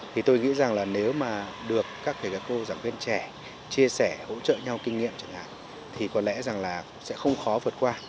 thì tôi nghĩ rằng là nếu mà được các thầy các cô giảng viên trẻ chia sẻ hỗ trợ nhau kinh nghiệm chẳng hạn thì có lẽ rằng là sẽ không khó vượt qua